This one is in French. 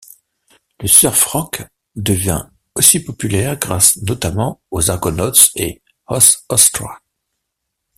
Le surf rock devient aussi populaire grâce notamment aux Argonauts et Os Ostras.